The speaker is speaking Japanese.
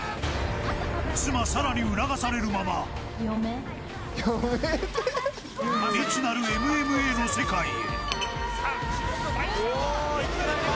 妻サラに促されるまま未知なるＭＭＡの世界へ。